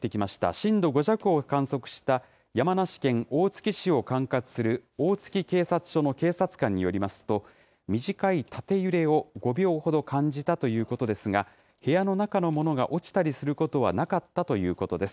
震度５弱を観測した山梨県大月市を管轄する大月警察署の警察官によりますと、短い縦揺れを５秒ほど感じたということですが、部屋の中のものが落ちたりすることはなかったということです。